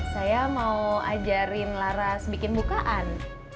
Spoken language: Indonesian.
saya mau ajarin laras bikin bukaan